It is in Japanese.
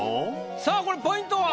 さあこれポイントは？